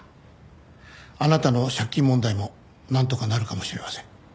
あなたの借金問題もなんとかなるかもしれません。